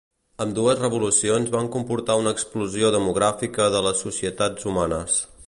Ambdues revolucions van comportar una explosió demogràfica de les societats humanes.